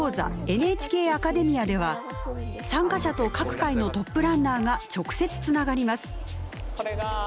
「ＮＨＫアカデミア」では参加者と各界のトップランナーが直接つながります。